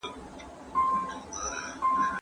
مینوپاز یا د ښځو میاشتنی عادت هم اغېز کوي.